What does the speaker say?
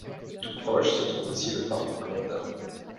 Tout proche se trouve aussi le Parc Blondin.